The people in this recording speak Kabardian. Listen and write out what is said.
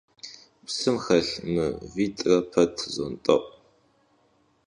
Псым хэлъ мывитӀрэ пэт зонтӀэӀу.